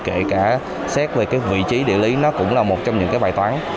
kể cả xét về cái vị trí địa lý nó cũng là một trong những cái bài toán